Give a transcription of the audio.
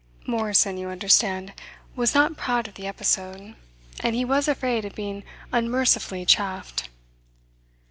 Morrison, you understand, was not proud of the episode, and he was afraid of being unmercifully chaffed.